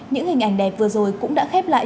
những hình ảnh đẹp vừa rồi cũng đã khép lại